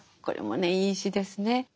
これもねいい詩ですね。